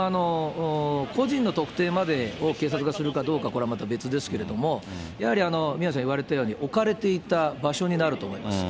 個人の特定までを警察がするかどうかこれはまた別ですけれども、やはり宮根さん言われたように、置かれていた場所になると思います。